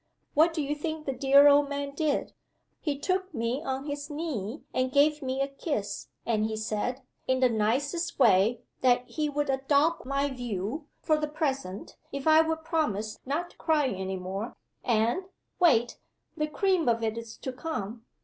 What do you think the dear old man did? He took me on his knee and gave me a kiss; and he said, in the nicest way, that he would adopt my view, for the present, if I would promise not to cry any more; and wait! the cream of it is to come!